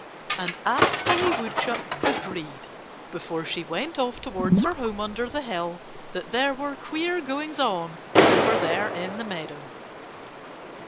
And Aunt Polly Woodchuck agreed, before she went off towards her home under the hill, that there were queer goings on over there in the meadow.